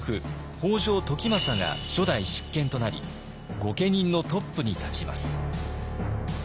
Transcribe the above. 北条時政が初代執権となり御家人のトップに立ちます。